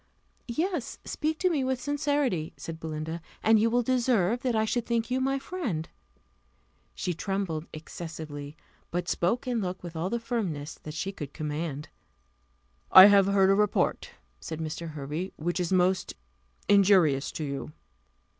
"Yes. Speak to me with sincerity," said Belinda, "and you will deserve that I should think you my friend." She trembled excessively, but spoke and looked with all the firmness that she could command. "I have heard a report," said Mr. Hervey, "which is most injurious to you."